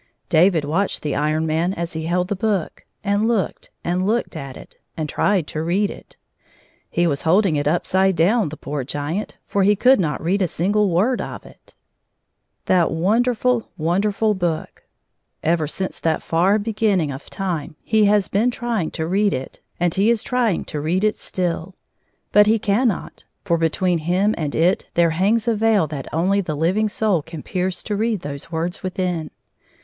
David watched the Iron Man as he held the book, and looked and looked at it, and tried to read it. He was holding it upside down, the poor giant, for he could not read a single word of it — 144 that wonderfiil, wonderfiil book. Ever since that far beginning of time he has been trying to read it, and he is trjdng to read it still. But he cannot, for between him and it there hangs a veil that only the living soul can pierce to read those words within.